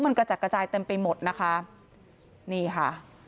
มันกระจัดกระจายเต็มไปหมดนะคะนี่ค่ะ